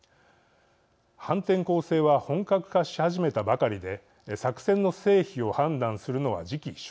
反転攻勢は本格化し始めたばかりで作戦の成否を判断するのは時期尚早です。